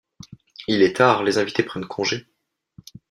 Il est tard, les invités prennent congé.